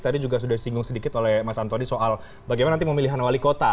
tadi juga sudah disinggung sedikit oleh mas antoni soal bagaimana nanti pemilihan wali kota